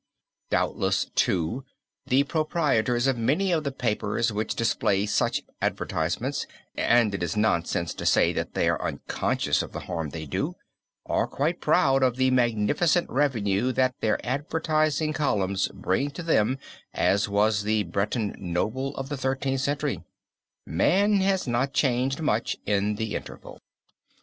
Doubtless too the proprietors of many of the papers which display such advertisements, and it is nonsense to say that they are unconscious of the harm they do, are quite as proud of the magnificent revenue that their advertising columns bring to them as was the Breton noble of the Thirteenth Century. Man has not changed much in the interval.